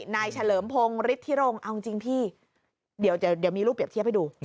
เฉลิมพงศ์ฤทธิรงค์เอาจริงพี่เดี๋ยวมีรูปเปรียบเทียบให้ดู